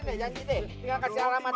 kalau bisa lebih saya balikin deh